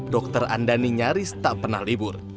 dokter andani nyaris tak pernah libur